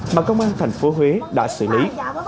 mà công an thành phố huế đã xử lý